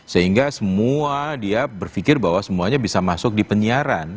sehingga semua dia berpikir bahwa semuanya bisa masuk di penyiaran